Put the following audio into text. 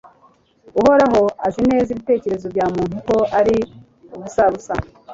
uhoraho azi neza ibitekerezo bya muntu, ko ari ubusabusa